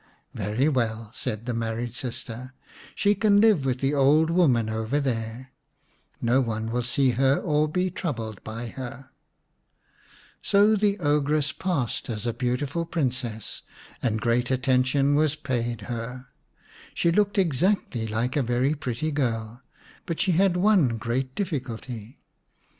" Very well," said the married sister. " She 231 The Beauty and the Beast xix can live with the old woman over there ; no one will see her or be troubled by her." So the ogress passed as a beautiful Princess, and great attention was paid her. She looked exactly like a very pretty girl, but she had one great difficulty.